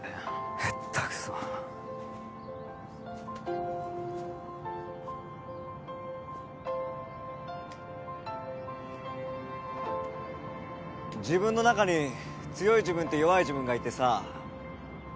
ヘッタクソ自分の中に強い自分と弱い自分がいてさ